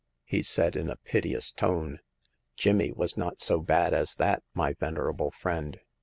" he said in a piteous tone. Jimmy was not so bad as that, my venerable friend.